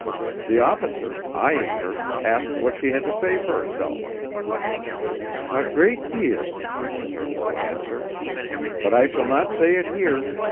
The officer, eyeing her, asked what she had to say for herself. "A great deal," was her low answer. "But I shall not say it here.